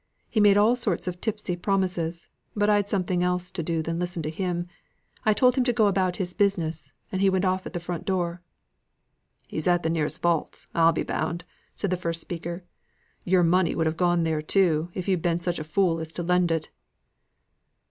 He made all sorts of tipsy promises, but I'd something else to do than listen to him; I told him to go about his business; and he went off at the front door." "He's at the nearest vaults, I'll be bound," said the first speaker. "Your money would have gone there too, if you'd been such a fool as to lend it."